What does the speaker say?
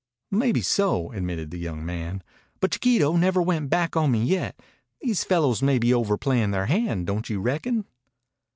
"Maybeso," admitted the young man. "But Chiquito never went back on me yet. These fellows may be overplayin' their hand, don't you reckon?"